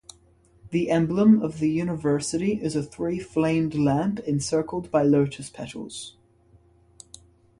The emblem of the university is a three-flamed lamp encircled by lotus petals.